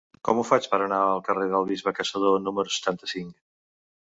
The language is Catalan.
Com ho faig per anar al carrer del Bisbe Caçador número setanta-cinc?